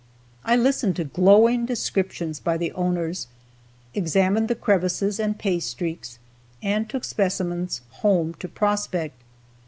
I listened to glowing descriptions by the owners, examined the crevises and pay streaks, and took specimens home to prospect.